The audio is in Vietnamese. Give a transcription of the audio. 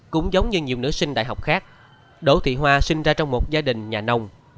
cũng giống như nhiều nữ sinh đại học khác đỗ thị hoa sinh ra trong một gia đình nhà nông